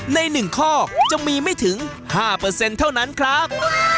ใน๑ข้อจะมีไม่ถึง๕เปอร์เซ็นต์เท่านั้นครับ